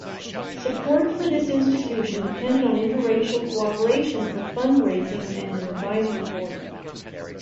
Support for this institution depended on interracial cooperation for fund-raising and an advisory board.